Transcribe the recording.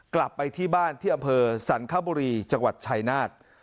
กลับไปที่บ้านที่อำเภอสันคบุรีจังหวัดชายนาฏ